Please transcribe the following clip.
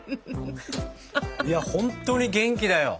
いやほんとに元気だよ。